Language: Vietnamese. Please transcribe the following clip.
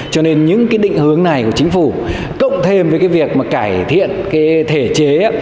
cho nên những cái định hướng này của chính phủ cộng thêm với cái việc mà cải thiện cái thể chế